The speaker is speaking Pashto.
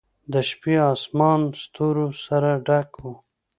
د شپې آسمان ستورو سره ډک و.